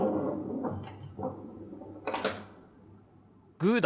グーだ！